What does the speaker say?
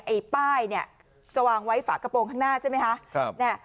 ไอ้ป้ายเนี่ยจะวางไว้ฝากระโปรงข้างหน้าใช่ไหมคะ